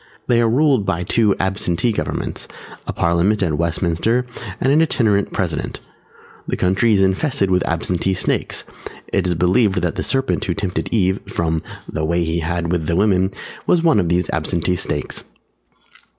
They are ruled by two Absentee governments, a Parliament at Westminster and an Itinerant President. [Illustration: SCENE IN IRISH HOUSE OF PARLIAMENT] The country is infested with Absentee Snakes. It is believed that the Serpent who tempted Eve (from the "way he had with the women") was one of these Absentee snakes.